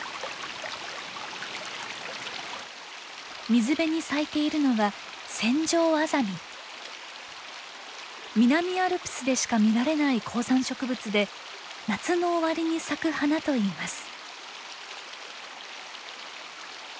水辺に咲いているのは南アルプスでしか見られない高山植物で夏の終わりに咲く花といいます。